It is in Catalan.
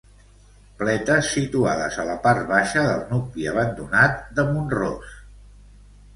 Pletes situades a la part baixa del nucli abandonat de Mont-ros.